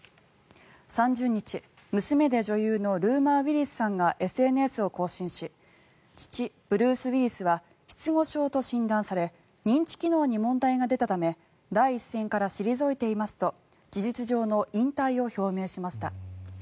３０日、娘で女優のルーマー・ウィリスさんがＳＮＳを更新し父、ブルース・ウィリスは失語症と診断され認知機能に問題が出たため第一線から退いていますと事実上の引退を表明しました。